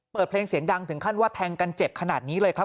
เปิดเพลงเสียงดังถึงขั้นว่าแทงกันเจ็บขนาดนี้เลยครับ